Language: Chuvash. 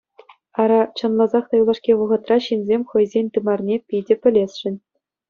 Ара, чӑнласах та юлашки вӑхӑтра ҫынсем хӑйсен тымарне питӗ пӗлесшӗн.